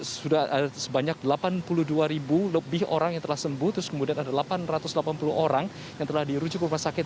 sudah ada sebanyak delapan puluh dua ribu lebih orang yang telah sembuh terus kemudian ada delapan ratus delapan puluh orang yang telah dirujuk ke rumah sakit